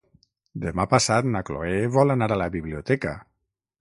Demà passat na Chloé vol anar a la biblioteca.